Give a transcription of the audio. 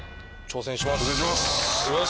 挑戦します。